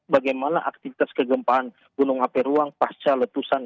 bagaimana aktivitas kegempaan gunung hp ruang pasca letusan